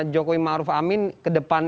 jokowi ma'ruf amin ke depan